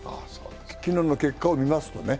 昨日の結果を見ますとね。